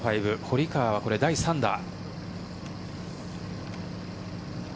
堀川は第３打。